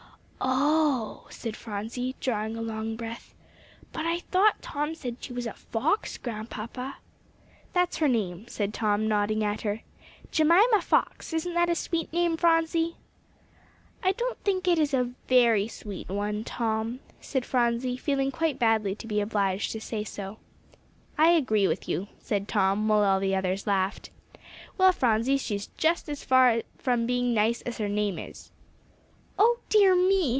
"Oh!" said Phronsie, drawing a long breath, "but I thought Tom said she was a fox, Grandpapa." "That's her name," said Tom, nodding at her; "Jemima Fox isn't that a sweet name, Phronsie?" "I don't think it is a very sweet one, Tom," said Phronsie, feeling quite badly to be obliged to say so. "I agree with you," said Tom, while the others all laughed. "Well, Phronsie, she's just as far from being nice as her name is." "Oh dear me!"